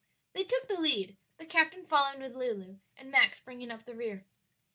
They took the lead, the captain following with Lulu, and Max bringing up the rear.